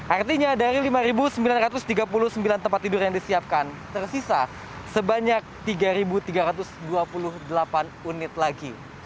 artinya dari lima sembilan ratus tiga puluh sembilan tempat tidur yang disiapkan tersisa sebanyak tiga tiga ratus dua puluh delapan unit lagi